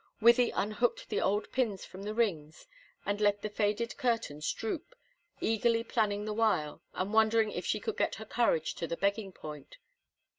Wythie unhooked the old pins from the rings and let the faded curtains droop, eagerly planning the while, and wondering if she could get her courage to the begging point.